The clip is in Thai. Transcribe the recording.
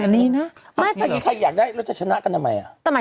อันนี้ใครจะอยากได้เราจะชนะกันทำไม